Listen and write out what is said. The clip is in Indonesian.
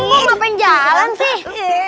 lu mau main jalan sih